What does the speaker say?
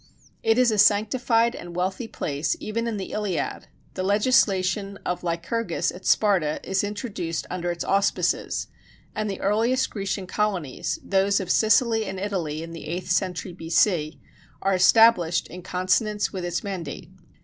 It is a sanctified and wealthy place even in the Iliad; the legislation of Lycurgus at Sparta is introduced under its auspices, and the earliest Grecian colonies, those of Sicily and Italy in the eighth century B.C., are established in consonance with its mandate.